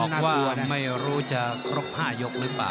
ว่าไม่รู้จะครบ๕ยกหรือเปล่า